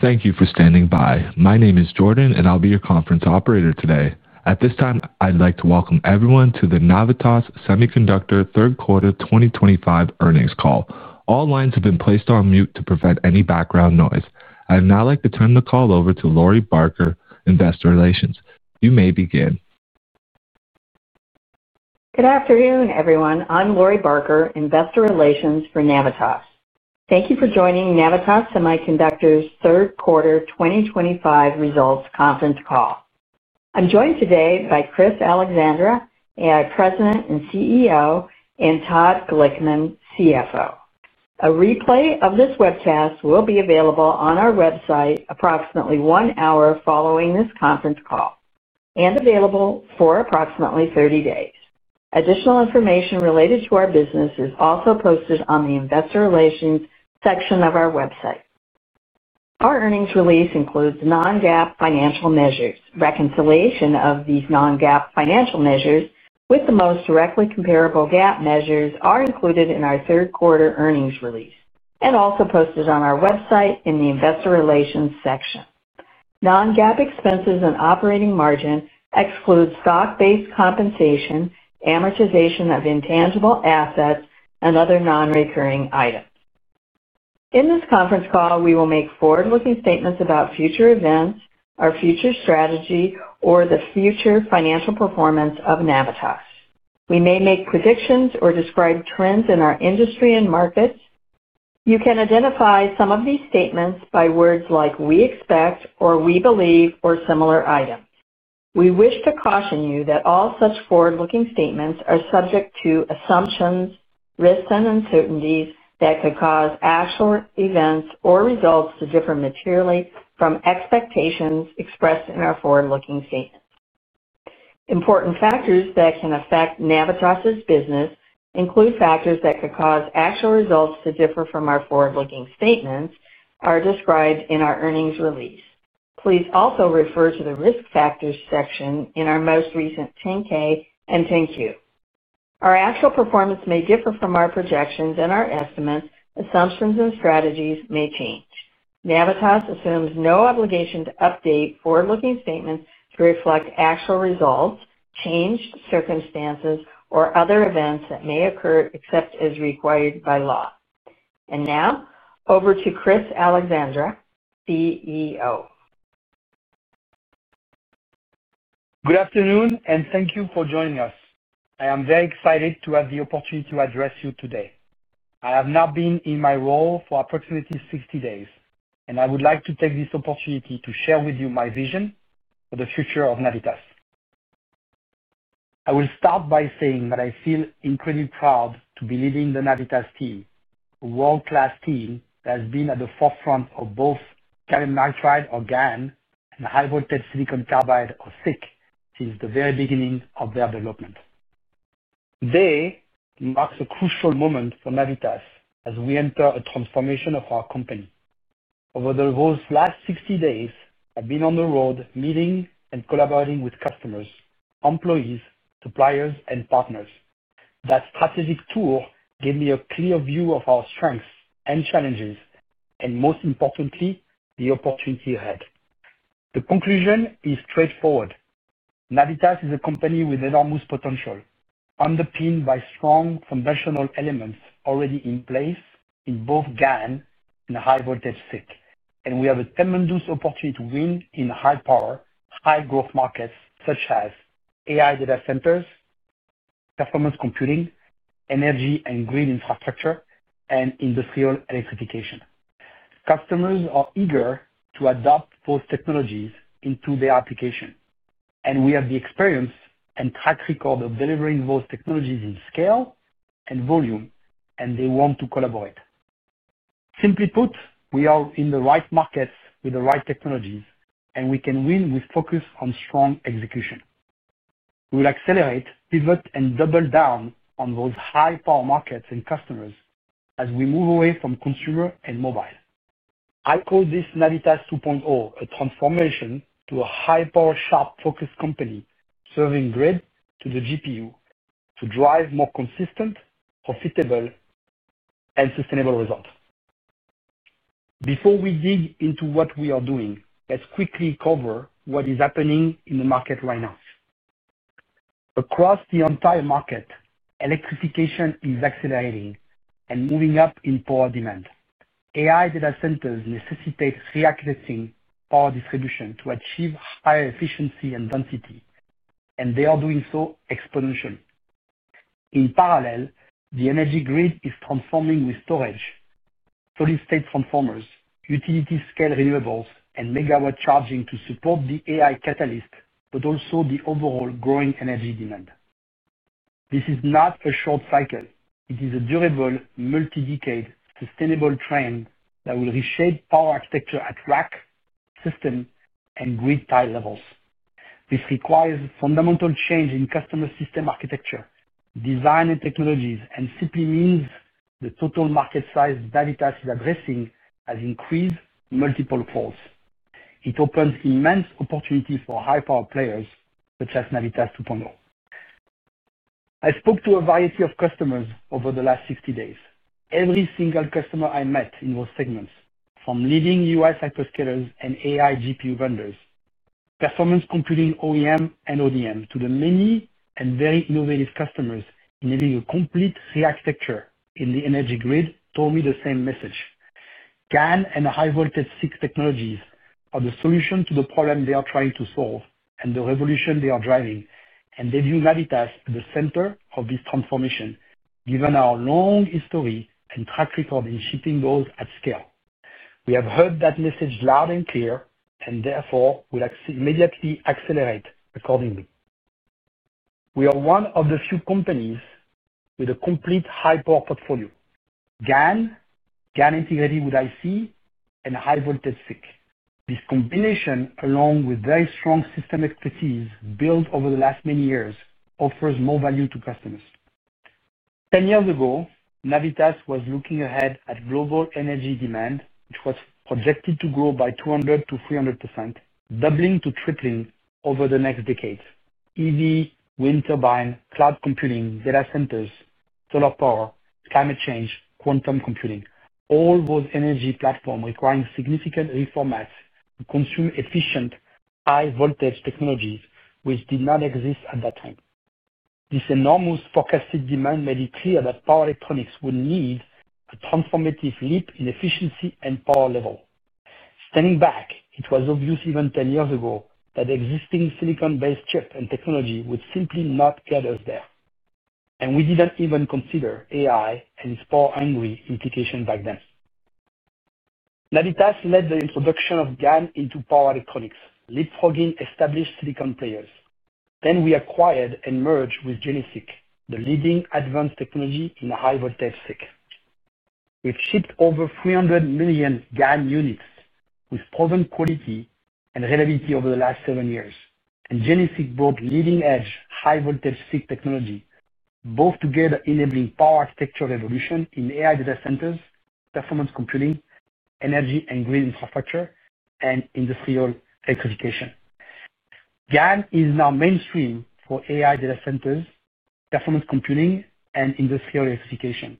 Thank you for standing by. My name is Jordan, and I'll be your conference operator today. At this time, I'd like to welcome everyone to the Navitas Semiconductor third quarter 2025 earnings call. All lines have been placed on mute to prevent any background noise. I'd now like to turn the call over to Lori Barker, Investor Relations. You may begin. Good afternoon, everyone. I'm Lori Barker, Investor Relations for Navitas. Thank you for joining Navitas Semiconductor's third quarter 2025 results conference call. I'm joined today by Chris Allexandre, President and CEO, and Todd Glickman, CFO. A replay of this webcast will be available on our website approximately one hour following this conference call and available for approximately 30 days. Additional information related to our business is also posted on the Investor Relations section of our website. Our earnings release includes non-GAAP financial measures. Reconciliation of these non-GAAP financial measures with the most directly comparable GAAP measures is included in our Q3 earnings release and also posted on our website in the Investor Relations section. Non-GAAP expenses and operating margin exclude stock-based compensation, amortization of intangible assets, and other non-recurring items. In this conference call, we will make forward-looking statements about future events, our future strategy, or the future financial performance of Navitas. We may make predictions or describe trends in our industry and markets. You can identify some of these statements by words like "we expect" or "we believe" or similar items. We wish to caution you that all such forward-looking statements are subject to assumptions, risks, and uncertainties that could cause actual events or results to differ materially from expectations expressed in our forward-looking statements. Important factors that can affect Navitas's business, including factors that could cause actual results to differ from our forward-looking statements, are described in our earnings release. Please also refer to the risk factors section in our most recent 10-K and 10-Q. Our actual performance may differ from our projections and our estimates. Assumptions and strategies may change. Navitas assumes no obligation to update forward-looking statements to reflect actual results, changed circumstances, or other events that may occur except as required by law. Now, over to Chris Allexandre, CEO. Good afternoon, and thank you for joining us. I am very excited to have the opportunity to address you today. I have now been in my role for approximately 60 days, and I would like to take this opportunity to share with you my vision for the future of Navitas. I will start by saying that I feel incredibly proud to be leading the Navitas team, a world-class team that has been at the forefront of both gallium nitride, or GaN, and high-voltage silicon carbide, or SiC, since the very beginning of their development. Today marks a crucial moment for Navitas as we enter a transformation of our company. Over the last 60 days, I've been on the road meeting and collaborating with customers, employees, suppliers, and partners. That strategic tour gave me a clear view of our strengths and challenges, and most importantly, the opportunity ahead. The conclusion is straightforward. Navitas is a company with enormous potential, underpinned by strong foundational elements already in place in both GaN and high-voltage SiC, and we have a tremendous opportunity to win in high-power, high-growth markets such as AI data centers, performance computing, energy and grid infrastructure, and industrial electrification. Customers are eager to adopt those technologies into their application, and we have the experience and track record of delivering those technologies in scale and volume, and they want to collaborate. Simply put, we are in the right markets with the right technologies, and we can win with focus on strong execution. We will accelerate, pivot, and double down on those high-power markets and customers as we move away from consumer and mobile. I call this Navitas 2.0, a transformation to a high-power, sharp-focused company serving grid to the GPU to drive more consistent, profitable, and sustainable results. Before we dig into what we are doing, let's quickly cover what is happening in the market right now. Across the entire market, electrification is accelerating and moving up in power demand. AI data centers necessitate reaccessing power distribution to achieve higher efficiency and density, and they are doing so exponentially. In parallel, the energy grid is transforming with storage, solid-state transformers, utility-scale renewables, and megawatt charging to support the AI catalyst, but also the overall growing energy demand. This is not a short cycle. It is a durable, multi-decade, sustainable trend that will reshape power architecture at rack, system, and grid tier levels. This requires fundamental change in customer system architecture, design, and technologies, and simply means the total market size Navitas is addressing has increased multiple folds. It opens immense opportunities for high-power players such as Navitas 2.0. I spoke to a variety of customers over the last 60 days. Every single customer I met in those segments, from leading U.S. hyperscalers and AI GPU vendors, performance computing OEM and ODM, to the many and very innovative customers in building a complete re-architecture in the energy grid, told me the same message. GaN and the high-voltage SiC technologies are the solution to the problem they are trying to solve and the revolution they are driving, and they view Navitas at the center of this transformation, given our long history and track record in shipping those at scale. We have heard that message loud and clear, and therefore will immediately accelerate accordingly. We are one of the few companies with a complete high-power portfolio: GaN, GaN integrated with IC, and high-voltage SiC. This combination, along with very strong system expertise built over the last many years, offers more value to customers. Ten years ago, Navitas was looking ahead at global energy demand, which was projected to grow by 200%-300%, doubling to tripling over the next decades: EV, wind turbine, cloud computing, data centers, solar power, climate change, quantum computing, all those energy platforms requiring significant reformats to consume efficient high-voltage technologies, which did not exist at that time. This enormous forecasted demand made it clear that power electronics would need a transformative leap in efficiency and power level. Standing back, it was obvious even 10 years ago that existing silicon-based chips and technology would simply not get us there, and we did not even consider AI and its power-hungry implications back then. Navitas led the introduction of GaN into power electronics, leapfrogging established silicon players. Then we acquired and merged with GeneSiC, the leading advanced technology in high-voltage SiC. We have shipped over 300 million GaN units with proven quality and reliability over the last seven years, and GeneSiC brought leading-edge high-voltage SiC technology, both together enabling power architecture revolution in AI data centers, performance computing, energy and grid infrastructure, and industrial electrification. GaN is now mainstream for AI data centers, performance computing, and industrial electrification.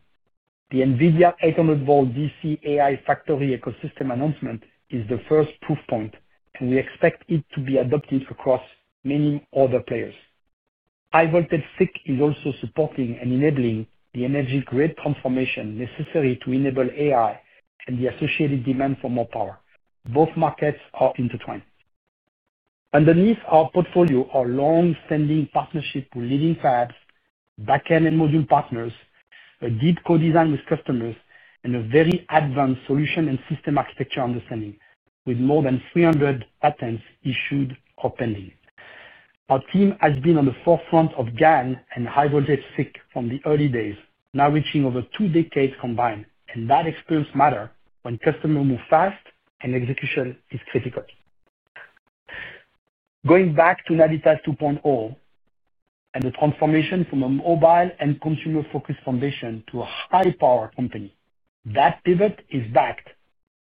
The NVIDIA 800 VDC AI factory ecosystem announcement is the first proof point, and we expect it to be adopted across many other players. High-voltage SiC is also supporting and enabling the energy grid transformation necessary to enable AI and the associated demand for more power. Both markets are intertwined. Underneath our portfolio are long-standing partnerships with leading fabs, backend and module partners, a deep co-design with customers, and a very advanced solution and system architecture understanding, with more than 300 patents issued or pending. Our team has been on the forefront of GaN and high-voltage SiC from the early days, now reaching over two decades combined, and that experience matters when customers move fast and execution is critical. Going back to Navitas 2.0. The transformation from a mobile and consumer-focused foundation to a high-power company, that pivot is backed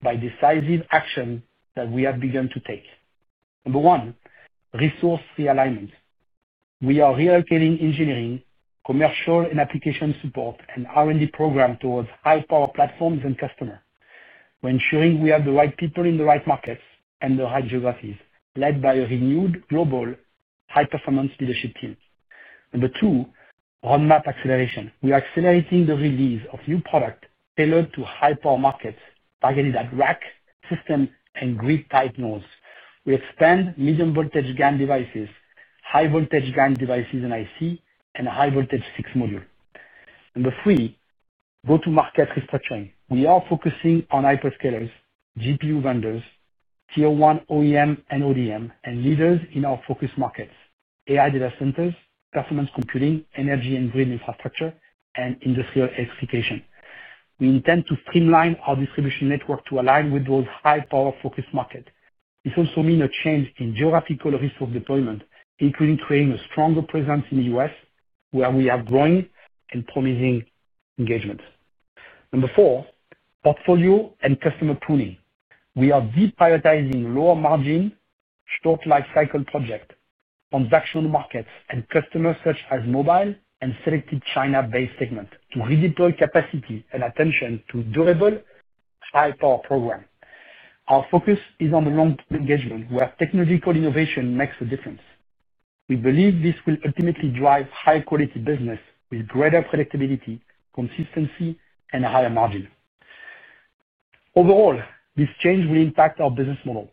by decisive actions that we have begun to take. Number one, resource realignment. We are reallocating engineering, commercial and application support, and R&D programs towards high-power platforms and customers by ensuring we have the right people in the right markets and the right geographies, led by a renewed global high-performance leadership team. Number two, roadmap acceleration. We are accelerating the release of new products tailored to high-power markets targeted at rack, system, and grid-type nodes. We expand medium-voltage GaN devices, high-voltage GaN devices and IC, and high-voltage SiC module. Number three, go-to-market restructuring. We are focusing on hyperscalers, GPU vendors, tier-one OEM and ODM, and leaders in our focus markets: AI data centers, performance computing, energy and grid infrastructure, and industrial electrification. We intend to streamline our distribution network to align with those high-power focus markets. This also means a change in geographical resource deployment, including creating a stronger presence in the U.S., where we have growing and promising engagements. Number four, portfolio and customer pruning. We are deprioritizing lower-margin, short-life-cycle projects, transactional markets, and customers such as mobile and selected China-based segments to redeploy capacity and attention to durable, high-power programs. Our focus is on the long-term engagement, where technological innovation makes a difference. We believe this will ultimately drive high-quality business with greater predictability, consistency, and higher margin. Overall, this change will impact our business model.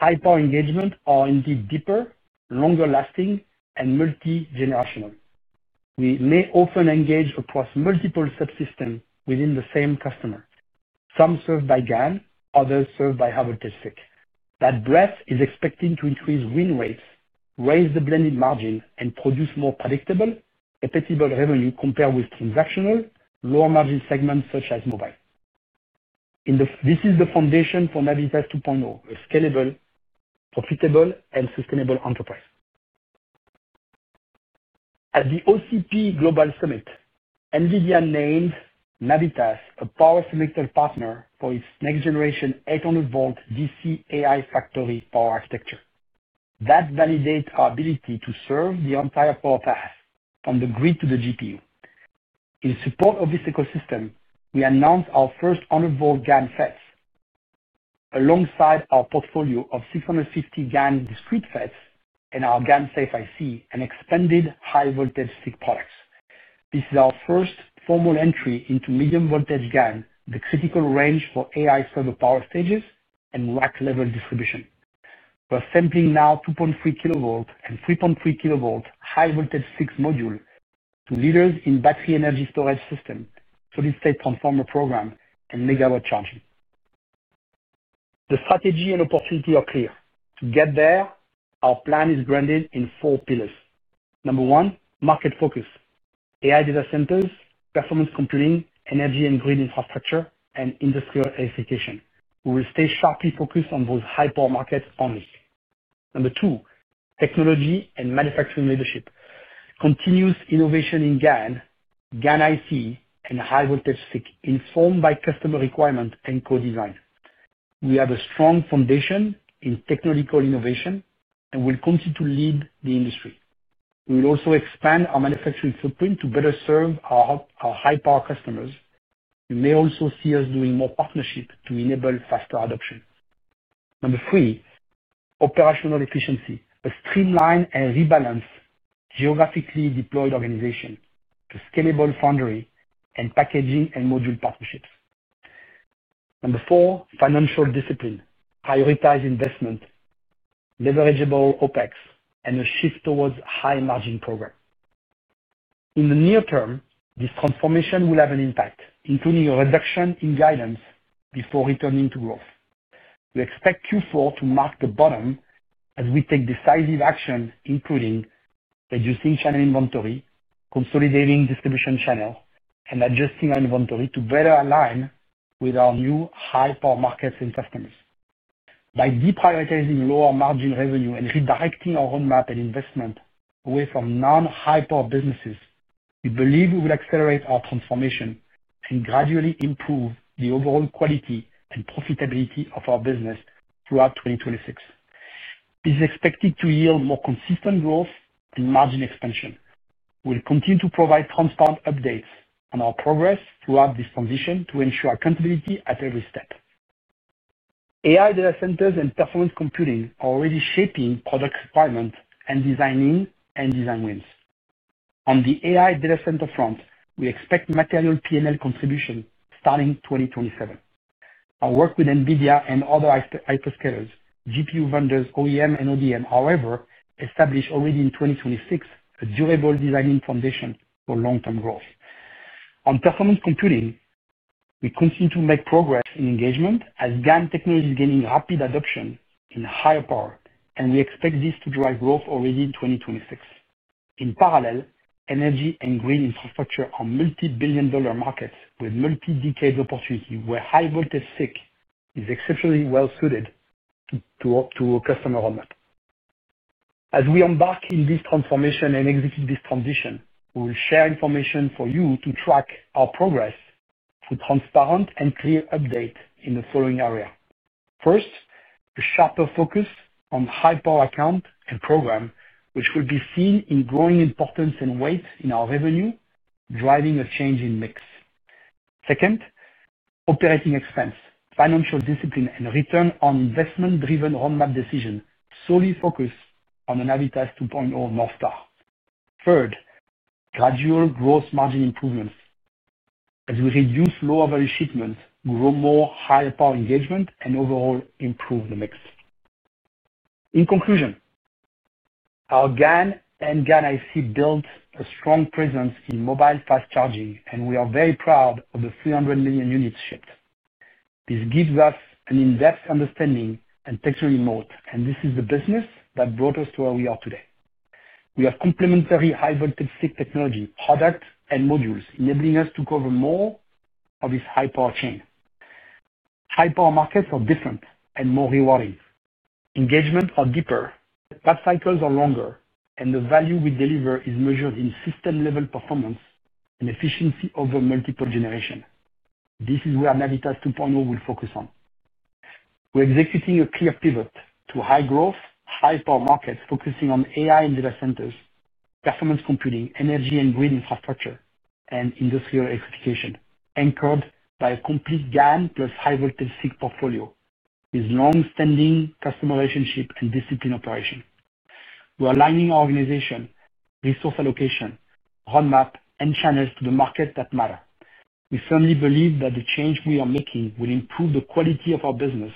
High-power engagements are indeed deeper, longer-lasting, and multi-generational. We may often engage across multiple subsystems within the same customer. Some serve by GaN, others serve by high-voltage SiC. That breadth is expected to increase win rates, raise the blended margin, and produce more predictable, reputable revenue compared with transactional, lower-margin segments such as mobile. This is the foundation for Navitas 2.0, a scalable, profitable, and sustainable enterprise. At the OCP Global Summit, NVIDIA named Navitas a power semico partner for its next-generation 800 VDC AI factory power architecture. That validates our ability to serve the entire power path, from the grid to the GPU. In support of this ecosystem, we announced our first 100 V GaN FETs. Alongside our portfolio of 650 V GaN discrete FETs and our GaNSafe IC and expanded high-voltage SiC products. This is our first formal entry into medium-voltage GaN, the critical range for AI server power stages and rack-level distribution. We're sampling now 2.3 kV and 3.3 kV high-voltage SiC modules to leaders in battery energy storage systems, solid-state transformer programs, and megawatt charging. The strategy and opportunity are clear. To get there, our plan is grounded in four pillars. Number one, market focus: AI data centers, performance computing, energy and grid infrastructure, and industrial electrification. We will stay sharply focused on those high-power markets only. Number two, technology and manufacturing leadership. Continuous innovation in GaN, GaN IC, and high-voltage SiC, informed by customer requirements and co-design. We have a strong foundation in technological innovation and will continue to lead the industry. We will also expand our manufacturing footprint to better serve our high-power customers. You may also see us doing more partnerships to enable faster adoption. Number three, operational efficiency: a streamlined and rebalanced geographically deployed organization to scalable foundry and packaging and module partnerships. Number four, financial discipline: prioritized investment. Leverageable OpEx, and a shift towards high-margin programs. In the near term, this transformation will have an impact, including a reduction in guidance before returning to growth. We expect Q4 to mark the bottom as we take decisive action, including reducing channel inventory, consolidating distribution channels, and adjusting our inventory to better align with our new high-power markets and customers. By deprioritizing lower-margin revenue and redirecting our roadmap and investment away from non-high-power businesses, we believe we will accelerate our transformation and gradually improve the overall quality and profitability of our business throughout 2026. This is expected to yield more consistent growth and margin expansion. We'll continue to provide transparent updates on our progress throughout this transition to ensure accountability at every step. AI data centers and performance computing are already shaping product requirements and designing end-to-end wins. On the AI data center front, we expect material P&L contribution starting 2027. Our work with NVIDIA and other hyperscalers, GPU vendors, OEM and ODM, however, established already in 2026 a durable design foundation for long-term growth. On performance computing, we continue to make progress in engagement as GaN technology is gaining rapid adoption in higher power, and we expect this to drive growth already in 2026. In parallel, energy and grid infrastructure are multi-billion-dollar markets with multi-decade opportunity, where high-voltage SiC is exceptionally well-suited. To our customer roadmap. As we embark in this transformation and execute this transition, we will share information for you to track our progress through transparent and clear updates in the following areas. First, a sharper focus on high-power account and program, which will be seen in growing importance and weight in our revenue, driving a change in mix. Second, operating expense, financial discipline, and return-on-investment-driven roadmap decision solely focused on the Navitas 2.0 North Star. Third, gradual gross margin improvements as we reduce lower-value shipments, grow more high-power engagement, and overall improve the mix. In conclusion, our GaN and GaN IC build a strong presence in mobile fast charging, and we are very proud of the 300 million units shipped. This gives us an in-depth understanding and texture in moat, and this is the business that brought us to where we are today. We have complementary high-voltage SiC technology, products, and modules, enabling us to cover more of this high-power chain. High-power markets are different and more rewarding. Engagements are deeper, path cycles are longer, and the value we deliver is measured in system-level performance and efficiency over multiple generations. This is where Navitas 2.0 will focus on. We're executing a clear pivot to high-growth, high-power markets, focusing on AI and data centers, performance computing, energy and grid infrastructure, and industrial electrification, anchored by a complete GaN plus high-voltage SiC portfolio with long-standing customer relationship and disciplined operation. We're aligning our organization, resource allocation, roadmap, and channels to the markets that matter. We firmly believe that the change we are making will improve the quality of our business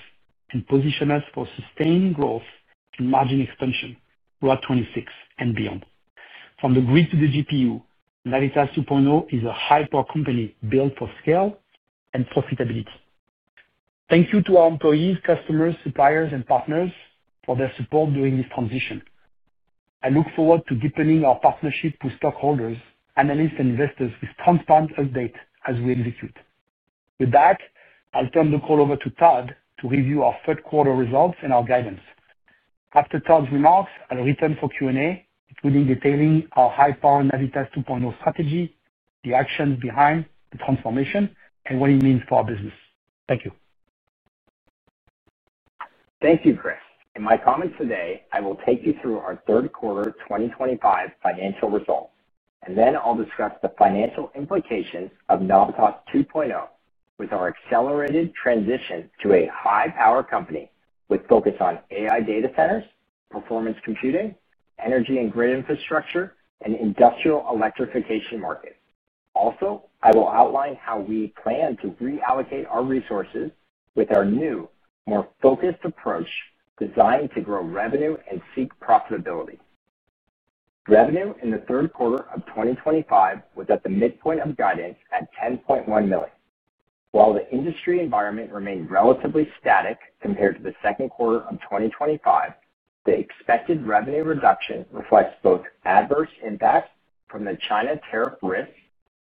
and position us for sustained growth and margin expansion throughout 2026 and beyond. From the grid to the GPU, Navitas 2.0 is a high-power company built for scale and profitability. Thank you to our employees, customers, suppliers, and partners for their support during this transition. I look forward to deepening our partnership with stockholders, analysts, and investors with transparent updates as we execute. With that, I'll turn the call over to Todd to review our third-quarter results and our guidance. After Todd's remarks, I'll return for Q&A, including detailing our high-power Navitas 2.0 strategy, the actions behind the transformation, and what it means for our business. Thank you. Thank you, Chris. In my comments today, I will take you through our third-quarter 2025 financial results, and then I'll discuss the financial implications of Navitas 2.0 with our accelerated transition to a high-power company with focus on AI data centers, performance computing, energy and grid infrastructure, and industrial electrification markets. Also, I will outline how we plan to reallocate our resources with our new, more focused approach designed to grow revenue and SiC profitability. Revenue in the third quarter of 2025 was at the midpoint of guidance at $10.1 million. While the industry environment remained relatively static compared to the second quarter of 2025, the expected revenue reduction reflects both adverse impacts from the China tariff risk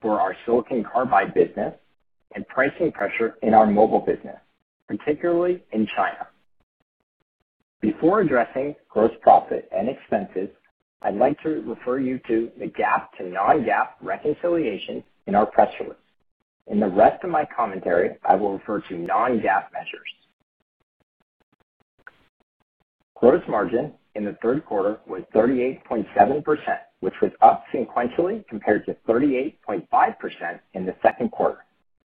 for our silicon carbide business and pricing pressure in our mobile business, particularly in China. Before addressing gross profit and expenses, I'd like to refer you to the GAAP to non-GAAP reconciliation in our press release. In the rest of my commentary, I will refer to non-GAAP measures. Gross margin in the third quarter was 38.7%, which was up sequentially compared to 38.5% in the second quarter,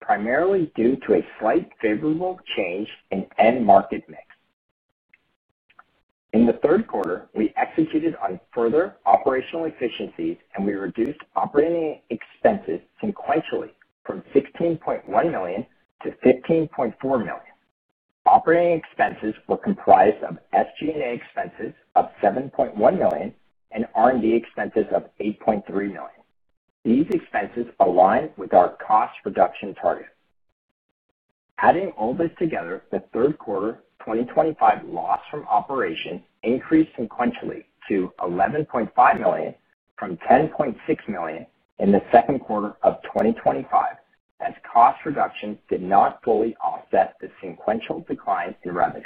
primarily due to a slight favorable change in end-market mix. In the third quarter, we executed on further operational efficiencies, and we reduced operating expenses sequentially from $16.1 million to $15.4 million. Operating expenses were comprised of SG&A expenses of $7.1 million and R&D expenses of $8.3 million. These expenses align with our cost reduction target. Adding all this together, the third quarter 2025 loss from operations increased sequentially to $11.5 million from $10.6 million in the second quarter of 2025, as cost reduction did not fully offset the sequential decline in revenue.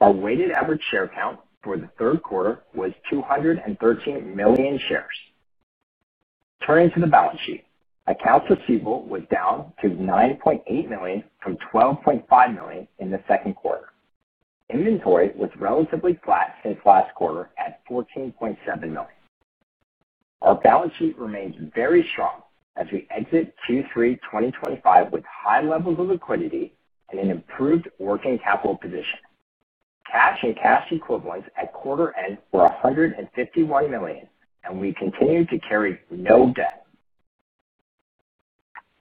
Our weighted average share count for the third quarter was 213 million shares. Turning to the balance sheet, accounts receivable was down to $9.8 million from $12.5 million in the second quarter. Inventory was relatively flat since last quarter at $14.7 million. Our balance sheet remains very strong as we exit Q3 2025 with high levels of liquidity and an improved working capital position. Cash and cash equivalents at quarter-end were $151 million, and we continue to carry no debt.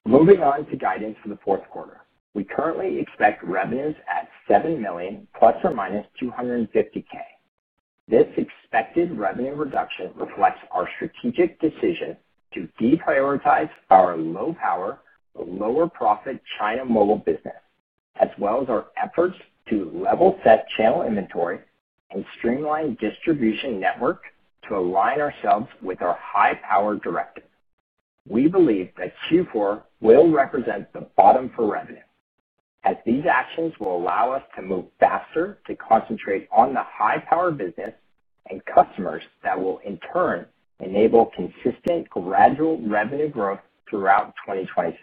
Moving on to guidance for the fourth quarter, we currently expect revenues at $7 million±$250,000. This expected revenue reduction reflects our strategic decision to deprioritize our low-power, lower-profit China mobile business, as well as our efforts to level set channel inventory and streamline distribution network to align ourselves with our high-power directive. We believe that Q4 will represent the bottom for revenue, as these actions will allow us to move faster to concentrate on the high-power business and customers that will, in turn, enable consistent, gradual revenue growth throughout 2026.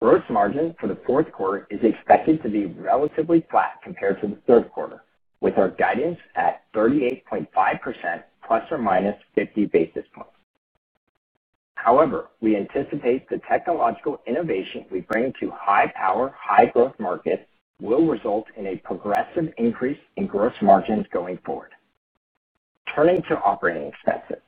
Gross margin for the fourth quarter is expected to be relatively flat compared to the third quarter, with our guidance at 38.5%±50 basis points. However, we anticipate the technological innovation we bring to high-power, high-growth markets will result in a progressive increase in gross margins going forward. Turning to operating expenses,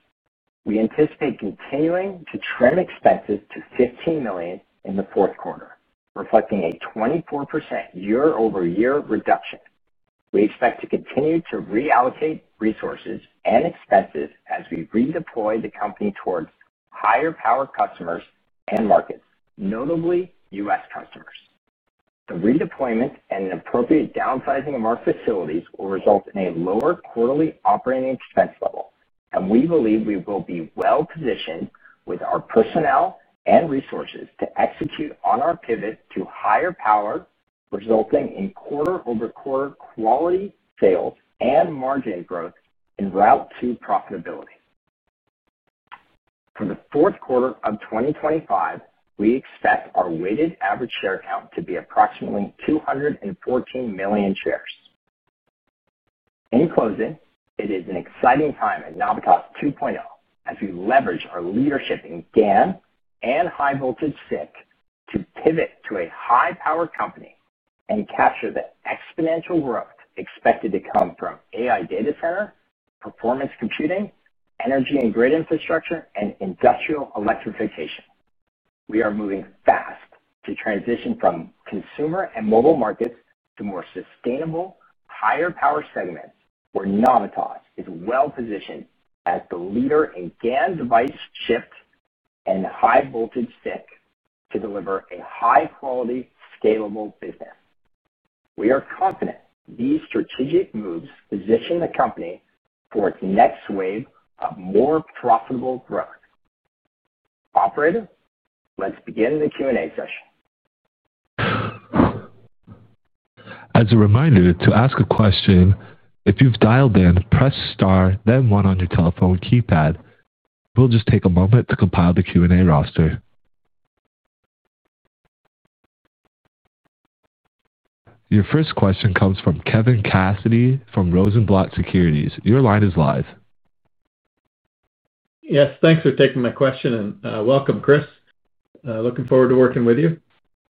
we anticipate continuing to trim expenses to $15 million in the fourth quarter, reflecting a 24% year-over-year reduction. We expect to continue to reallocate resources and expenses as we redeploy the company towards higher-power customers and markets, notably U.S. customers. The redeployment and appropriate downsizing of our facilities will result in a lower quarterly operating expense level, and we believe we will be well-positioned with our personnel and resources to execute on our pivot to higher power, resulting in quarter-over-quarter quality sales and margin growth in route to profitability. For the fourth quarter of 2025, we expect our weighted average share count to be approximately 214 million shares. In closing, it is an exciting time at Navitas 2.0 as we leverage our leadership in GaN and high-voltage SiC to pivot to a high-power company and capture the exponential growth expected to come from AI data center, performance computing, energy and grid infrastructure, and industrial electrification. We are moving fast to transition from consumer and mobile markets to more sustainable, higher-power segments, where Navitas is well-positioned as the leader in GaN device shift and high-voltage SiC to deliver a high-quality, scalable business. We are confident these strategic moves position the company for its next wave of more profitable growth. Operator, let's begin the Q&A session. As a reminder, to ask a question, if you've dialed in, press star, then one on your telephone keypad. We'll just take a moment to compile the Q&A roster. Your first question comes from Kevin Cassidy from Rosenblatt Securities. Your line is live. Yes, thanks for taking my question, and welcome, Chris. Looking forward to working with you.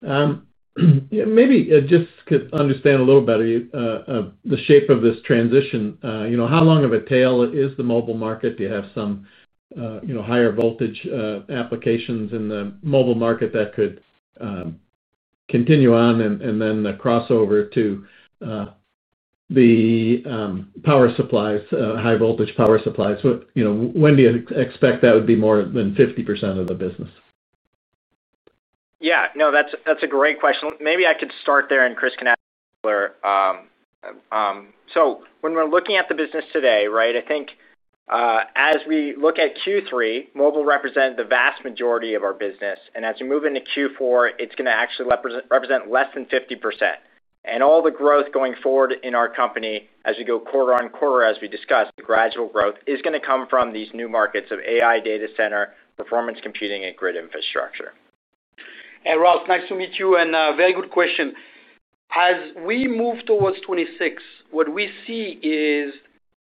Maybe just to understand a little better. The shape of this transition, how long of a tail is the mobile market? Do you have some higher voltage applications in the mobile market that could continue on and then the crossover to the power supplies, high-voltage power supplies? When do you expect that would be more than 50% of the business? Yeah, no, that's a great question. Maybe I could start there, and Chris can add to that. So when we're looking at the business today, right, I think. As we look at Q3, mobile represented the vast majority of our business. As we move into Q4, it is going to actually represent less than 50%. All the growth going forward in our company, as we go quarter on quarter, as we discussed, the gradual growth is going to come from these new markets of AI data center, performance computing, and grid infrastructure. Hey, Ross, nice to meet you, and very good question. As we move towards 2026, what we see is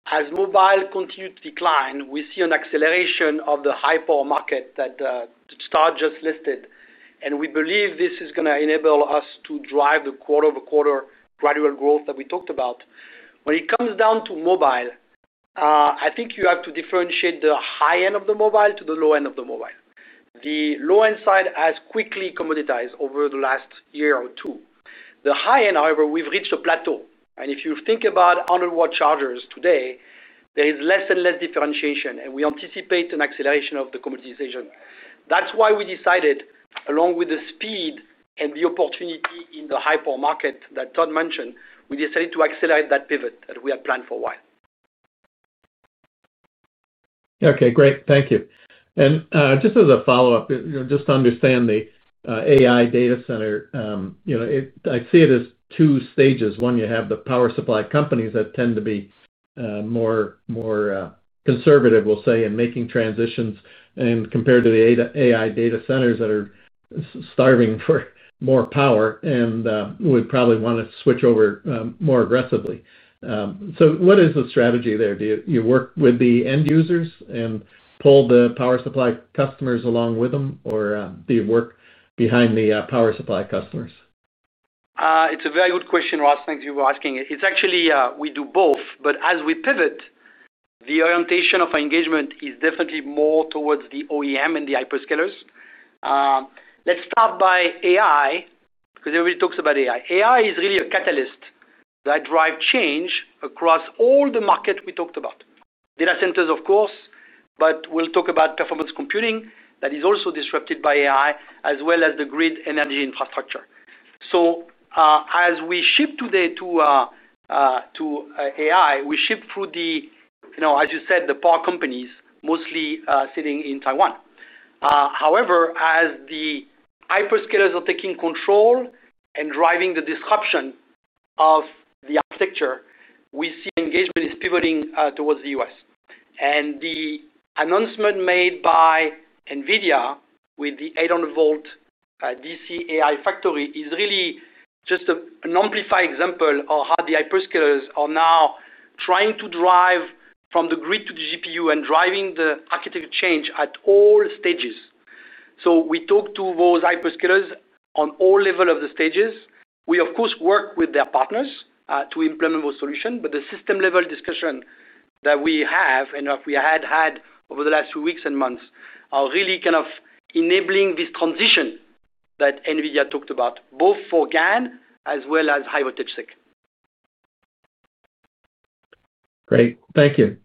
as mobile continues to decline, we see an acceleration of the high-power market that Todd just listed. We believe this is going to enable us to drive the quarter-over-quarter gradual growth that we talked about. When it comes down to mobile, I think you have to differentiate the high end of the mobile to the low end of the mobile. The low end side has quickly commoditized over the last year or two. The high end, however, we have reached a plateau. If you think about 100 W chargers today, there is less and less differentiation, and we anticipate an acceleration of the commoditization. That is why we decided, along with the speed and the opportunity in the high-power market that Todd mentioned, we decided to accelerate that pivot that we had planned for a while. Okay, great. Thank you. Just as a follow-up, just to understand the AI data center. I see it as two stages. One, you have the power supply companies that tend to be more conservative, we will say, in making transitions compared to the AI data centers that are starving for more power and would probably want to switch over more aggressively. What is the strategy there? Do you work with the end users and pull the power supply customers along with them, or do you work behind the power supply customers? It is a very good question, Ross. Thank you for asking. Actually, we do both, but as we pivot, the orientation of our engagement is definitely more towards the OEM and the hyperscalers. Let us start by AI because everybody talks about AI. AI is really a catalyst that drives change across all the markets we talked about. Data centers, of course, but we will talk about performance computing that is also disrupted by AI, as well as the grid energy infrastructure. As we shift today to AI, we shift through the, as you said, the power companies mostly sitting in Taiwan. However, as the hyperscalers are taking control and driving the disruption of the architecture, we see engagement is pivoting towards the U.S. The announcement made by NVIDIA with the 800 VDC AI factory is really just an amplified example of how the hyperscalers are now trying to drive from the grid to the GPU and driving the architecture change at all stages. We talk to those hyperscalers on all levels of the stages. We, of course, work with their partners to implement those solutions, but the system-level discussion that we have and that we had had over the last few weeks and months are really kind of enabling this transition that NVIDIA talked about, both for GaN as well as high-voltage SiC. Great. Thank you.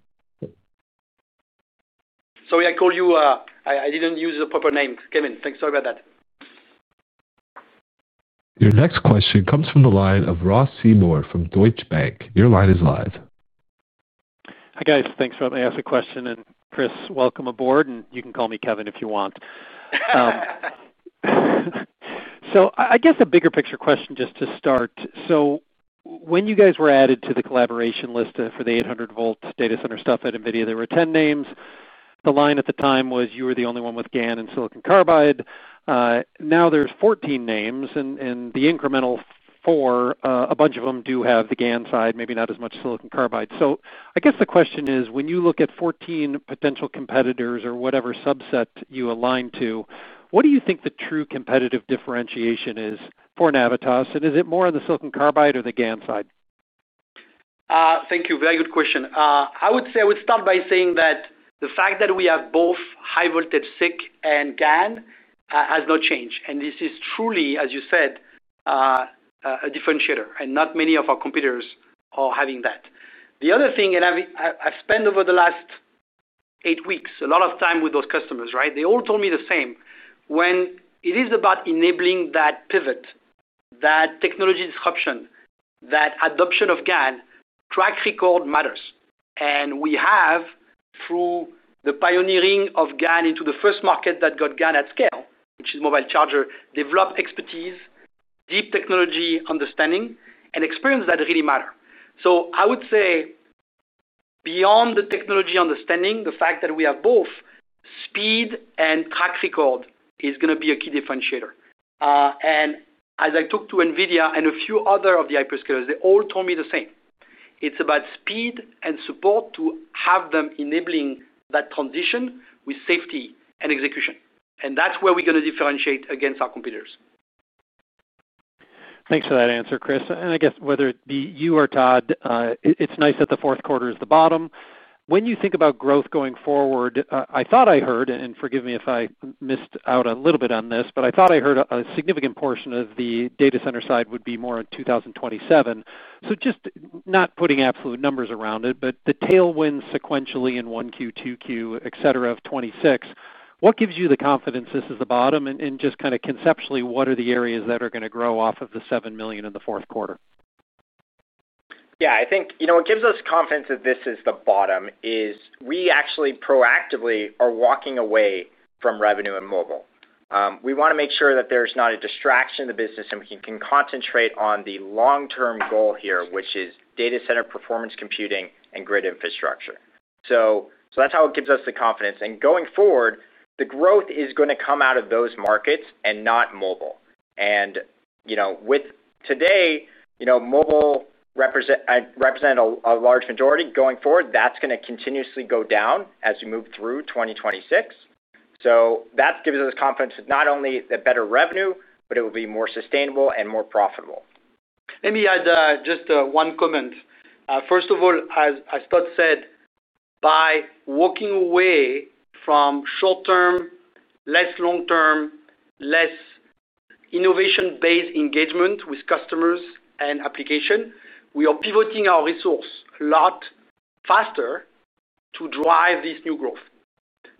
Sorry, I called you I didn't use the proper name. Kevin, thanks. Sorry about that. Your next question comes from the line of Ross Seymore from Deutsche Bank. Your line is live. Hi, guys. Thanks for letting me ask a question. And Chris, welcome aboard, and you can call me Kevin if you want. I guess a bigger picture question just to start. When you guys were added to the collaboration list for the 800 V data center stuff at NVIDIA, there were 10 names. The line at the time was you were the only one with GaN and silicon carbide. Now there's 14 names, and the incremental four, a bunch of them do have the GaN side, maybe not as much silicon carbide. I guess the question is, when you look at 14 potential competitors or whatever subset you align to, what do you think the true competitive differentiation is for Navitas? And is it more on the silicon carbide or the GaN side? Thank you. Very good question. I would say I would start by saying that the fact that we have both high-voltage SiC and GaN has not changed. This is truly, as you said, a differentiator, and not many of our competitors are having that. The other thing, and I've spent over the last eight weeks a lot of time with those customers, right? They all told me the same. When it is about enabling that pivot, that technology disruption, that adoption of GaN, track record matters. We have, through the pioneering of GaN into the first market that got GaN at scale, which is mobile charger, developed expertise, deep technology understanding, and experience that really matter. I would say beyond the technology understanding, the fact that we have both speed and track record is going to be a key differentiator. As I talked to NVIDIA and a few other of the hyperscalers, they all told me the same. It's about speed and support to have them enabling that transition with safety and execution. That's where we're going to differentiate against our competitors. Thanks for that answer, Chris. I guess whether it be you or Todd, it's nice that the fourth quarter is the bottom. When you think about growth going forward, I thought I heard, and forgive me if I missed out a little bit on this, but I thought I heard a significant portion of the data center side would be more in 2027. Just not putting absolute numbers around it, but the tailwinds sequentially in 1Q, 2Q, etc., of 2026, what gives you the confidence this is the bottom? Just kind of conceptually, what are the areas that are going to grow off of the $7 million in the fourth quarter? I think what gives us confidence that this is the bottom is we actually proactively are walking away from revenue in mobile. We want to make sure that there's not a distraction in the business, and we can concentrate on the long-term goal here, which is data center performance computing and grid infrastructure. That is how it gives us the confidence. Going forward, the growth is going to come out of those markets and not mobile. With today, mobile represented a large majority. Going forward, that's going to continuously go down as we move through 2026. That gives us confidence with not only better revenue, but it will be more sustainable and more profitable. Maybe just one comment. First of all, as Todd said, by walking away from short-term, less long-term, less innovation-based engagement with customers and application, we are pivoting our resource a lot faster to drive this new growth.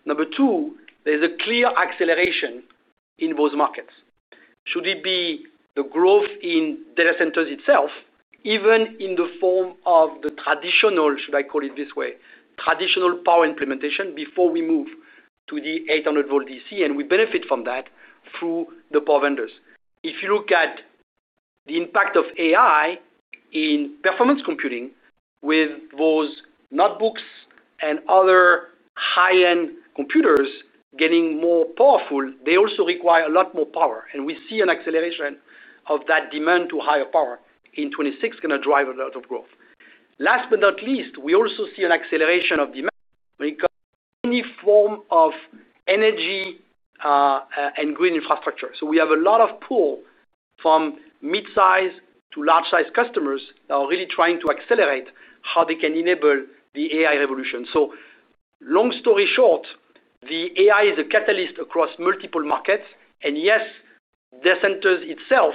Number two, there's a clear acceleration in those markets. Should it be the growth in data centers itself, even in the form of the traditional, should I call it this way, traditional power implementation before we move to the 800 VDC? We benefit from that through the power vendors. If you look at the impact of AI in performance computing with those notebooks and other high-end computers getting more powerful, they also require a lot more power. We see an acceleration of that demand to higher power in 2026 going to drive a lot of growth. Last but not least, we also see an acceleration of demand when it comes to any form of energy and grid infrastructure. We have a lot of pull from mid-size to large-size customers that are really trying to accelerate how they can enable the AI revolution. Long story short, the AI is a catalyst across multiple markets. Yes, data centers itself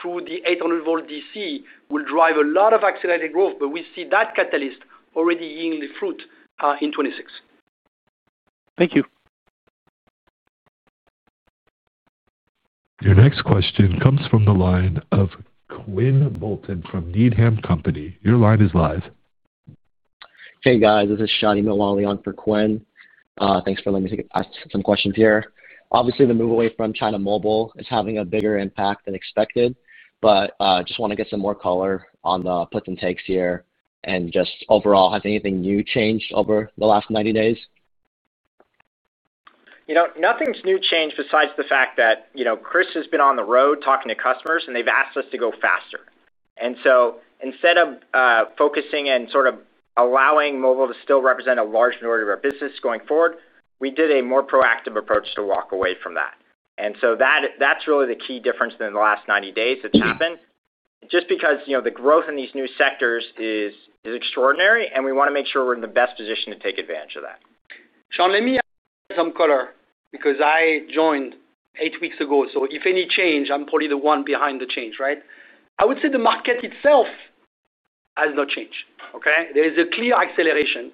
through the 800 VDC will drive a lot of accelerated growth, but we see that catalyst already yielding fruit in 2026. Thank you. Your next question comes from the line of Quinn Moulton from Needham & Company. Your line is live. Hey, guys. This is Shadi Mitwalli on for Quinn. Thanks for letting me ask some questions here. Obviously, the move away from China mobile is having a bigger impact than expected, but I just want to get some more color on the puts and takes here and just overall, has anything new changed over the last 90 days? Nothing's new changed besides the fact that Chris has been on the road talking to customers, and they've asked us to go faster. Instead of focusing and sort of allowing mobile to still represent a large majority of our business going forward, we did a more proactive approach to walk away from that. That's really the key difference in the last 90 days that's happened. Just because the growth in these new sectors is extraordinary, and we want to make sure we're in the best position to take advantage of that. Shadi, let me add some color because I joined eight weeks ago. If any change, I'm probably the one behind the change, right? I would say the market itself has not changed, okay? There is a clear acceleration,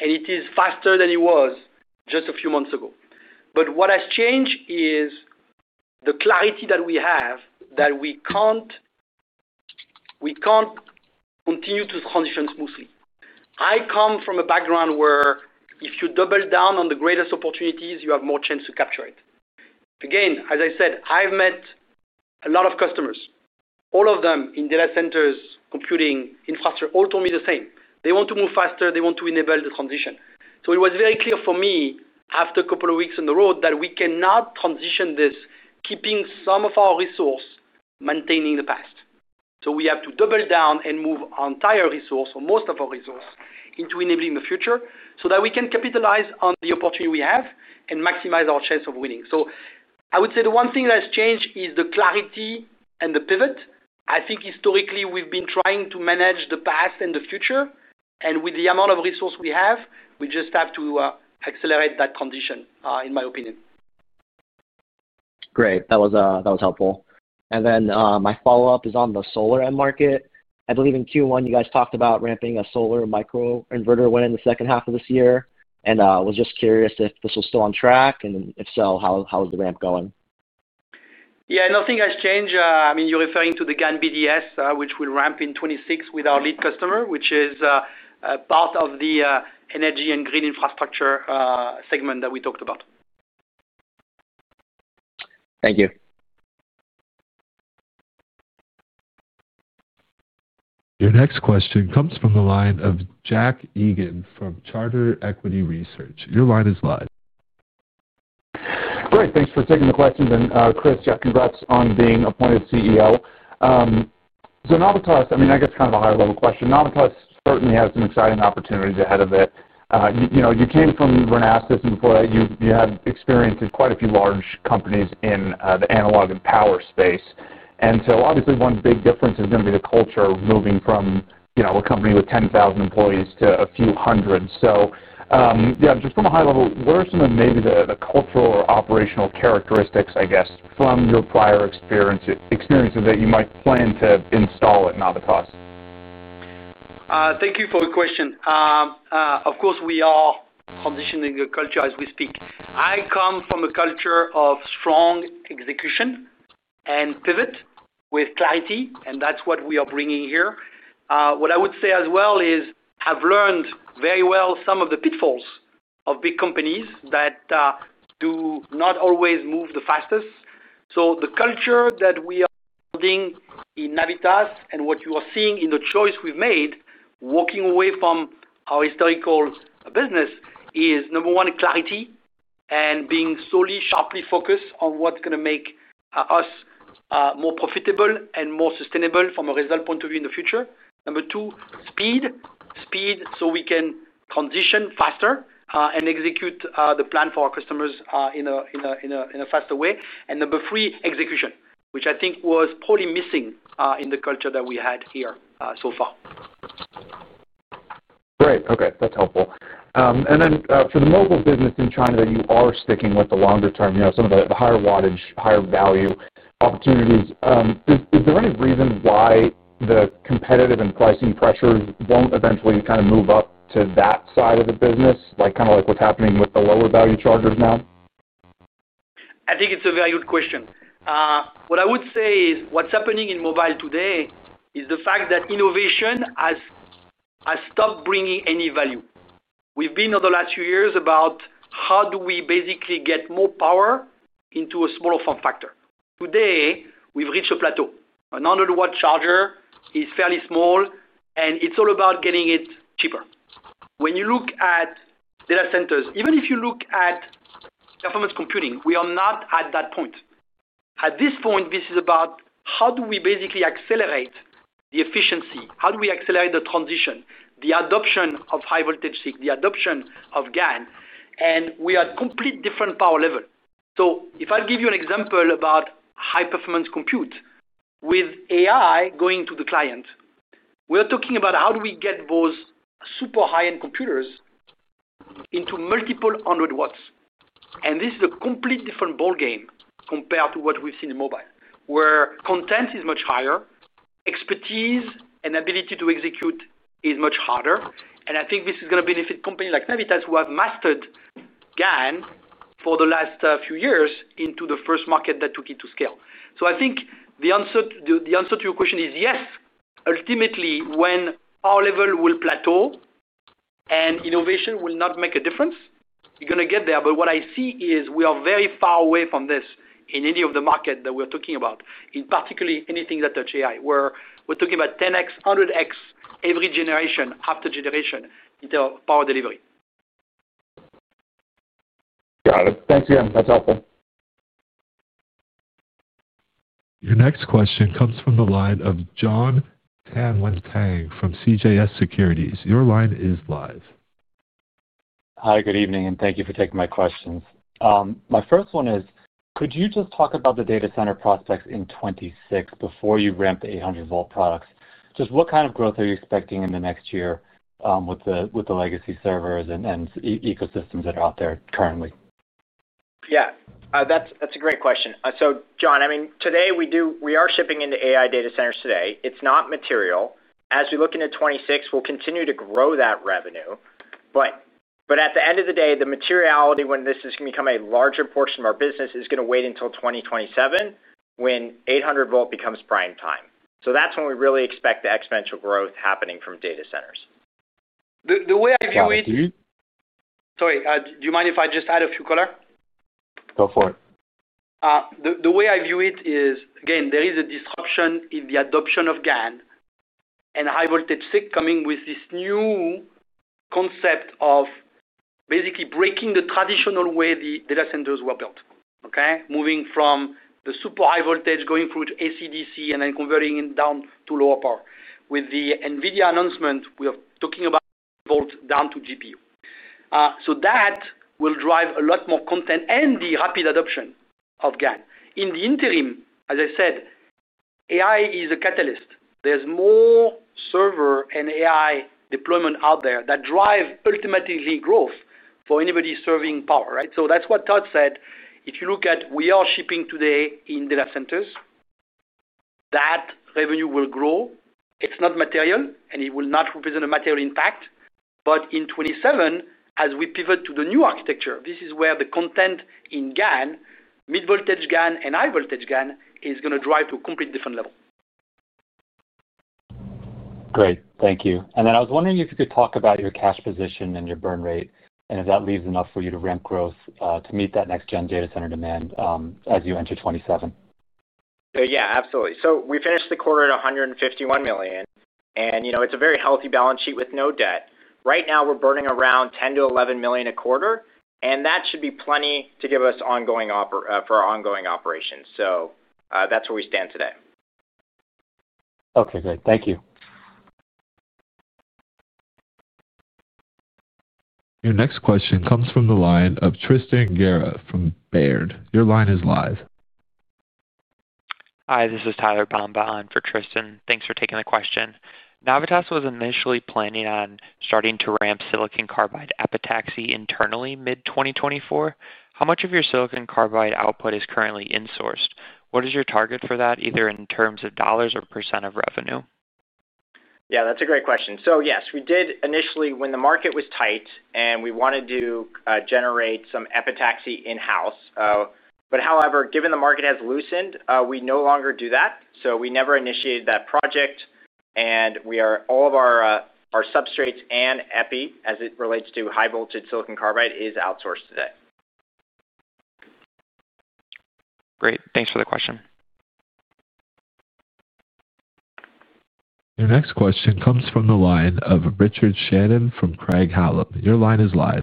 and it is faster than it was just a few months ago. What has changed is the clarity that we have that we can't continue to transition smoothly. I come from a background where if you double down on the greatest opportunities, you have more chance to capture it. Again, as I said, I've met a lot of customers, all of them in data centers, computing, infrastructure, all told me the same. They want to move faster. They want to enable the transition. It was very clear for me after a couple of weeks on the road that we cannot transition this, keeping some of our resource maintaining the past. We have to double down and move our entire resource or most of our resource into enabling the future so that we can capitalize on the opportunity we have and maximize our chance of winning. I would say the one thing that has changed is the clarity and the pivot. I think historically, we've been trying to manage the past and the future. With the amount of resource we have, we just have to accelerate that transition, in my opinion. Great. That was helpful. My follow-up is on the solar end market. I believe in Q1, you guys talked about ramping a solar microinverter in the second half of this year. I was just curious if this was still on track, and if so, how is the ramp going? Yeah, nothing has changed. I mean, you're referring to the GaN BDS, which will ramp in 2026 with our lead customer, which is part of the energy and grid infrastructure segment that we talked about. Thank you. Your next question comes from the line of Jack Egan from Charter Equity Research. Your line is live. Great. Thanks for taking the question. Chris, congrats on being appointed CEO. Navitas, I mean, I guess kind of a high-level question. Navitas certainly has some exciting opportunities ahead of it. You came from Renesas, and before that, you had experience in quite a few large companies in the analog and power space. Obviously, one big difference is going to be the culture moving from a company with 10,000 employees to a few hundred. Just from a high level, what are some of maybe the cultural or operational characteristics, I guess, from your prior experiences that you might plan to install at Navitas? Thank you for the question. Of course, we are transitioning the culture as we speak. I come from a culture of strong execution and pivot with clarity, and that's what we are bringing here. What I would say as well is I've learned very well some of the pitfalls of big companies that do not always move the fastest. So the culture that we are building in Navitas and what you are seeing in the choice we've made, walking away from our historical business, is number one, clarity and being solely sharply focused on what's going to make us more profitable and more sustainable from a result point of view in the future. Number two, speed. Speed so we can transition faster and execute the plan for our customers in a faster way. And number three, execution, which I think was probably missing in the culture that we had here so far. Great. Okay. That's helpful. And then for the mobile business in China that you are sticking with the longer term, some of the higher wattage, higher value opportunities, is there any reason why the competitive and pricing pressures won't eventually kind of move up to that side of the business, kind of like what's happening with the lower value chargers now? I think it's a valued question. What I would say is what's happening in mobile today is the fact that innovation has stopped bringing any value. We've been over the last few years about how do we basically get more power into a smaller form factor. Today, we've reached a plateau. An underwater charger is fairly small, and it's all about getting it cheaper. When you look at data centers, even if you look at performance computing, we are not at that point. At this point, this is about how do we basically accelerate the efficiency, how do we accelerate the transition, the adoption of high-voltage SiC, the adoption of GaN, and we are at a completely different power level. So if I give you an example about high-performance compute with AI going to the client, we are talking about how do we get those super high-end computers into multiple hundred watts. And this is a completely different ballgame compared to what we've seen in mobile, where content is much higher. Expertise and ability to execute is much harder. And I think this is going to benefit companies like Navitas who have mastered GaN for the last few years into the first market that took it to scale. So I think the answer to your question is yes. Ultimately, when power level will plateau and innovation will not make a difference, you're going to get there. But what I see is we are very far away from this in any of the market that we're talking about, in particularly anything that touches AI, where we're talking about 10x, 100x every generation after generation into power delivery. Got it. Thank you. That's helpful. Your next question comes from the line of Jon Tanwanteng from CJS Securities. Your line is live. Hi, good evening, and thank you for taking my questions. My first one is, could you just talk about the data center prospects in 2026 before you ramp the 800 V products? Just what kind of growth are you expecting in the next year with the legacy servers and ecosystems that are out there currently? Yeah. That's a great question. So Jon, I mean, today we are shipping into AI data centers today. It's not material. As we look into 2026, we'll continue to grow that revenue. But at the end of the day, the materiality when this is going to become a larger portion of our business is going to wait until 2027 when 800 V becomes prime time. That's when we really expect the exponential growth happening from data centers. The way I view it. Sorry, do you mind if I just add a few color? Go for it. The way I view it is, again, there is a disruption in the adoption of GaN. And high-voltage SiC coming with this new concept of basically breaking the traditional way the data centers were built, okay, moving from the super high voltage going through to AC/DC and then converting it down to lower power. With the NVIDIA announcement, we are talking about volt down to GPU. That will drive a lot more content and the rapid adoption of GaN. In the interim, as I said, AI is a catalyst. There's more server and AI deployment out there that drive ultimately growth for anybody serving power, right? That's what Todd said. If you look at we are shipping today in data centers. That revenue will grow. It's not material, and it will not represent a material impact. In 2027, as we pivot to the new architecture, this is where the content in GaN, mid-voltage GaN and high-voltage GaN, is going to drive to a completely different level. Great. Thank you. I was wondering if you could talk about your cash position and your burn rate and if that leaves enough for you to ramp growth to meet that next-gen data center demand as you enter 2027. Yeah, absolutely. We finished the quarter at $151 million. It's a very healthy balance sheet with no debt. Right now, we're burning around $10 million-$11 million a quarter, and that should be plenty to give us for our ongoing operations. That's where we stand today. Okay. Great. Thank you. Your next question comes from the line of Tristan Gerra from Baird. Your line is live. Hi, this is Tyler Bomba on for Tristan. Thanks for taking the question. Navitas was initially planning on starting to ramp silicon carbide epitaxy internally mid-2024. How much of your silicon carbide output is currently insourced? What is your target for that, either in terms of dollars or percent of revenue? Yeah, that's a great question. Yes, we did initially when the market was tight, and we wanted to generate some epitaxy in-house. However, given the market has loosened, we no longer do that. We never initiated that project, and all of our substrates and EPI, as it relates to high-voltage silicon carbide, is outsourced today. Great. Thanks for the question. Your next question comes from the line of Richard Shannon from Craig-Hallum. Your line is live.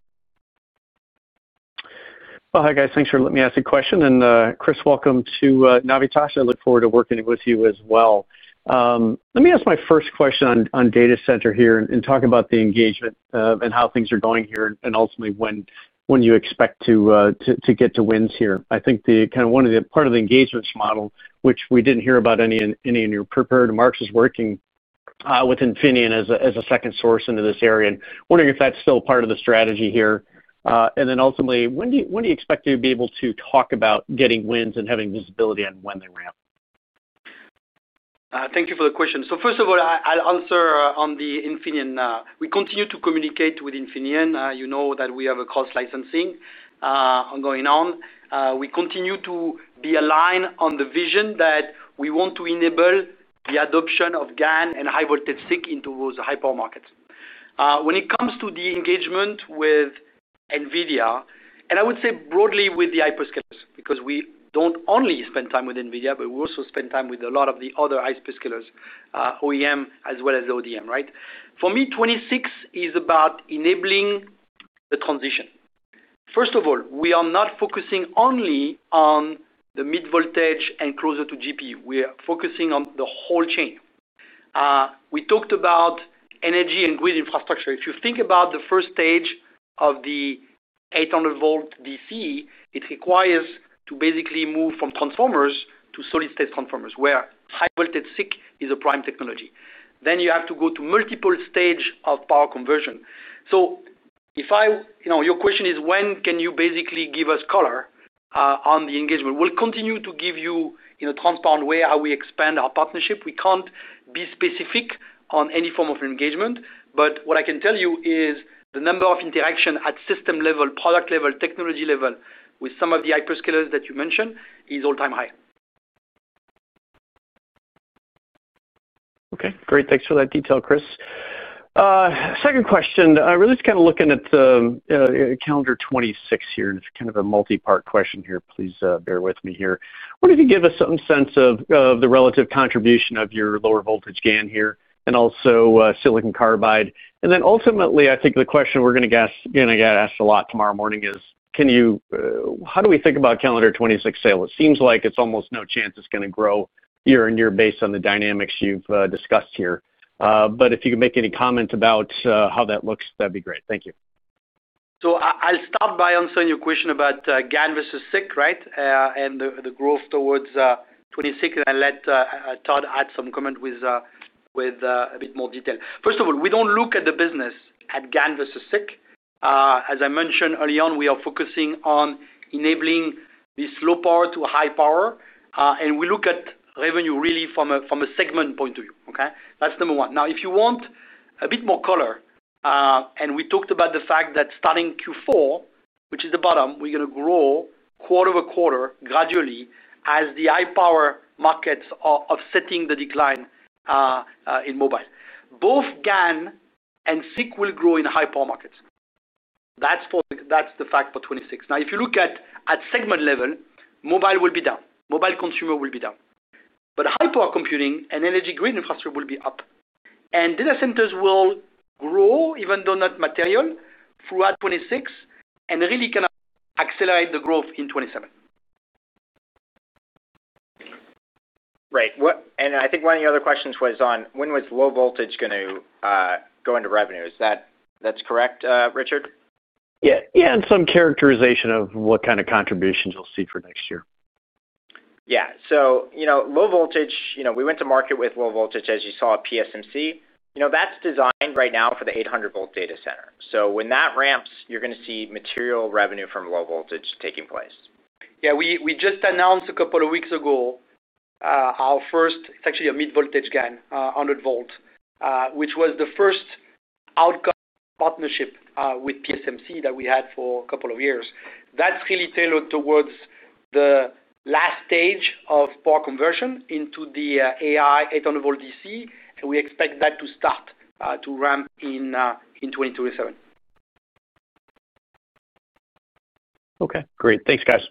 Hi guys. Thanks for letting me ask a question. Chris, welcome to Navitas. I look forward to working with you as well. Let me ask my first question on data center here and talk about the engagement and how things are going here and ultimately when you expect to get to wins here. I think kind of one of the part of the engagement model, which we did not hear about any in your prepared remarks, is working with Infineon as a second source into this area. Wondering if that's still part of the strategy here. Ultimately, when do you expect to be able to talk about getting wins and having visibility on when they ramp? Thank you for the question. First of all, I'll answer on the Infineon. We continue to communicate with Infineon. You know that we have a cross-licensing going on. We continue to be aligned on the vision that we want to enable the adoption of GaN and high-voltage SiC into those high-power markets. When it comes to the engagement with NVIDIA, and I would say broadly with the hyperscalers because we do not only spend time with NVIDIA, but we also spend time with a lot of the other hyperscalers, OEM as well as ODM, right? For me, 2026 is about enabling the transition. First of all, we are not focusing only on the mid-voltage and closer to GPU. We are focusing on the whole chain. We talked about energy and grid infrastructure. If you think about the first stage of the 800 VDC, it requires to basically move from transformers to solid-state transformers where high-voltage SiC is a prime technology. Then you have to go to multiple stages of power conversion. If your question is, when can you basically give us color on the engagement, we will continue to give you in a transparent way how we expand our partnership. We cannot be specific on any form of engagement. What I can tell you is the number of interactions at system level, product level, technology level with some of the hyperscalers that you mentioned is all-time high. Okay. Great. Thanks for that detail, Chris. Second question, really just kind of looking at calendar 2026 here. It's kind of a multi-part question here. Please bear with me here. What if you give us some sense of the relative contribution of your lower voltage GaN here and also silicon carbide? Ultimately, I think the question we're going to get asked a lot tomorrow morning is, how do we think about calendar 2026 sale? It seems like there's almost no chance it's going to grow year on year based on the dynamics you've discussed here. If you could make any comments about how that looks, that'd be great. Thank you. I'll start by answering your question about GaN versus SiC, right, and the growth towards 2026, and I'll let Todd add some comment with a bit more detail. First of all, we don't look at the business as GaN versus SiC. As I mentioned early on, we are focusing on enabling this low power to high power. We look at revenue really from a segment point of view. That's number one. If you want a bit more color, we talked about the fact that starting Q4, which is the bottom, we're going to grow quarter by quarter gradually as the high-power markets are offsetting the decline in mobile. Both GaN and SiC will grow in high-power markets. That's the fact for 2026. If you look at segment level, mobile will be down. Mobile consumer will be down. High-power computing and energy grid infrastructure will be up. Data centers will grow, even though not material, throughout 2026 and really kind of accelerate the growth in 2027. I think one of the other questions was on when was low voltage going to go into revenue. Is that correct, Richard? Yeah. And some characterization of what kind of contributions you'll see for next year. Yeah. Low voltage, we went to market with low voltage, as you saw at PSMC. That's designed right now for the 800 V data center. When that ramps, you're going to see material revenue from low voltage taking place. We just announced a couple of weeks ago our first—it's actually a mid-voltage GaN, 100 V, which was the first outcome partnership with PSMC that we had for a couple of years. That's really tailored towards the last stage of power conversion into the AI 800 VDC. We expect that to start to ramp in 2027. Great. Thanks, guys.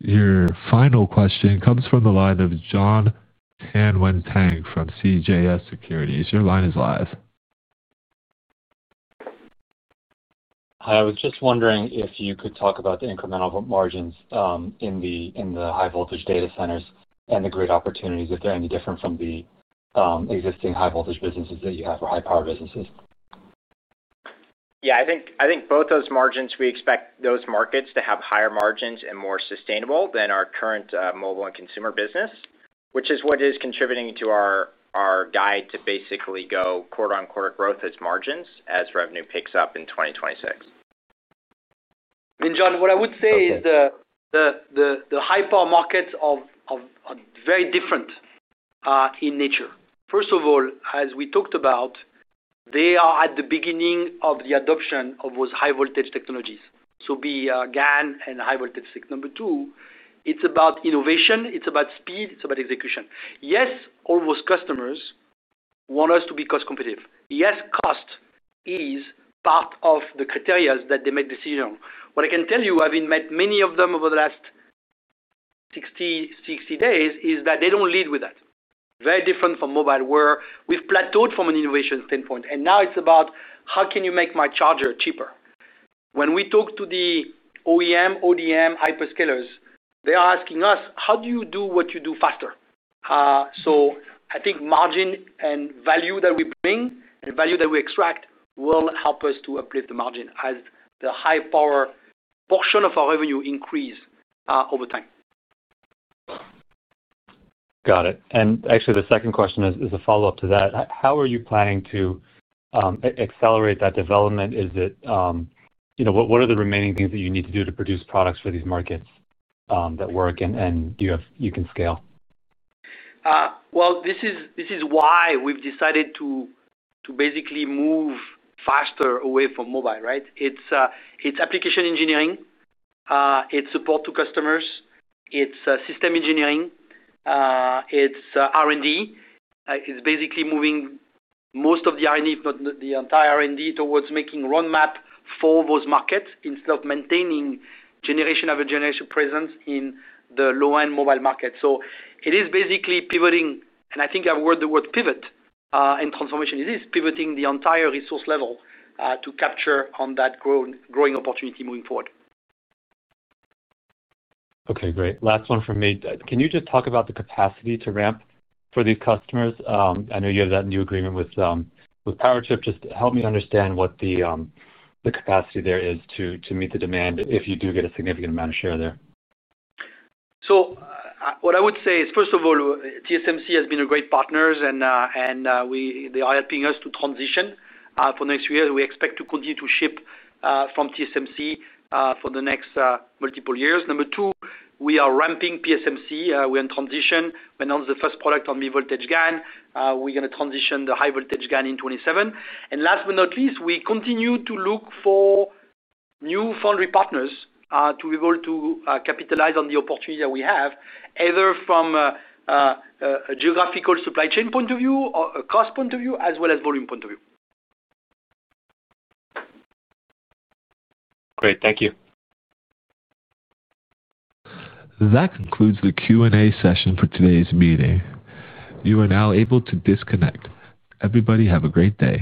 Your final question comes from the line of Jon Tanwanteng from CJS Securities. Your line is live. Hi. I was just wondering if you could talk about the incremental margins in the high-voltage data centers and the grid opportunities, if they're any different from the existing high-voltage businesses that you have or high-power businesses. Yeah. I think both those margins, we expect those markets to have higher margins and more sustainable than our current mobile and consumer business, which is what is contributing to our guide to basically go quarter on quarter growth as margins as revenue picks up in 2026. John, what I would say is the high-power markets are very different in nature. First of all, as we talked about. They are at the beginning of the adoption of those high-voltage technologies. So be GaN and high-voltage SiC. Number two, it's about innovation. It's about speed. It's about execution. Yes, all those customers want us to be cost-competitive. Yes, cost is part of the criteria that they make decisions on. What I can tell you, having met many of them over the last 60 days, is that they do not lead with that. Very different from mobile, where we have plateaued from an innovation standpoint. And now it is about how can you make my charger cheaper? When we talk to the OEM, ODM, hyperscalers, they are asking us, "How do you do what you do faster?" I think margin and value that we bring and value that we extract will help us to uplift the margin as the high-power portion of our revenue increases over time. Got it. Actually, the second question is a follow-up to that. How are you planning to accelerate that development? What are the remaining things that you need to do to produce products for these markets that work and you can scale? This is why we have decided to basically move faster away from mobile, right? It is application engineering. It is support to customers. It is system engineering. It is R&D. It is basically moving most of the R&D, if not the entire R&D, towards making roadmaps for those markets instead of maintaining generation-over-generation presence in the low-end mobile market. It is basically pivoting, and I think I have heard the word pivot in transformation. It is pivoting the entire resource level to capture on that growing opportunity moving forward. Okay. Great. Last one for me. Can you just talk about the capacity to ramp for these customers? I know you have that new agreement with Powerchip. Just help me understand what the capacity there is to meet the demand if you do get a significant amount of share there. What I would say is, first of all, TSMC has been a great partner, and they are helping us to transition for next year. We expect to continue to ship from TSMC for the next multiple years. Number two, we are ramping PSMC. We are in transition. We announced the first product on mid-voltage GaN. We are going to transition the high-voltage GaN in 2027. Last but not least, we continue to look for new foundry partners to be able to capitalize on the opportunity that we have, either from a geographical supply chain point of view, a cost point of view, as well as volume point of view. Great. Thank you. That concludes the Q&A session for today's meeting. You are now able to disconnect. Everybody have a great day.